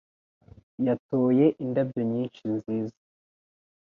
Yatoye indabyo nyinshi nziza.